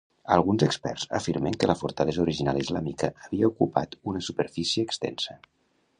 Alguns experts afirmen que la fortalesa original islàmica havia ocupat una superfície extensa.